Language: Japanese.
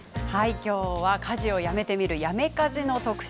きょうは家事をやめてみるやめ家事の特集